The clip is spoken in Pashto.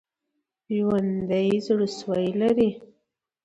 ژوندي زړسوي لري